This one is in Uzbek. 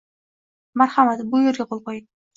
Marhamat, bu yerga qo'l qo'ying.